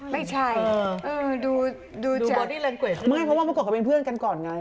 ไม่เพราะว่าเมื่อก่อนเขาเป็นเพื่อนกันก่อนไง